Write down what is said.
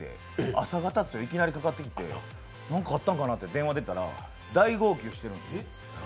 朝方っすよ、いきなりかかってきて何かあったんかなと思ったら大号泣してるんです。